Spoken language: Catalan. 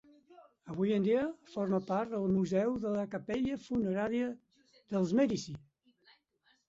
Avui en dia forma part del museu de la Capella funerària dels Mèdici.